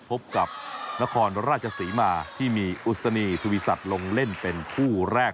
พบกับนครราชศรีมาที่มีอุศนีทวีสัตว์ลงเล่นเป็นคู่แรก